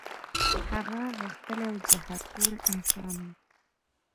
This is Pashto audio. هغه غښتلی او زهر خوره انسان وو.